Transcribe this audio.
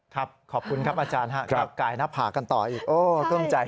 ครับขอบคุณครับอาจารย์ฮะกับกายนับหากันต่ออีกโอ้ต้องใจ